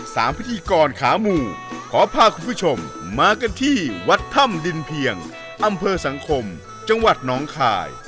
พิธีกรขาหมู่ขอพาคุณผู้ชมมากันที่วัดถ้ำดินเพียงอำเภอสังคมจังหวัดน้องคาย